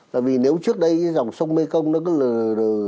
là vì nếu trước đây cái dòng sông mekong nó cứ lờ lờ lờ